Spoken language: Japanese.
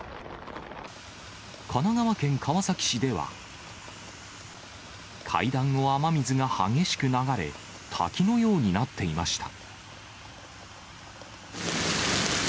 神奈川県川崎市では、階段を雨水が激しく流れ、滝のようになっていました。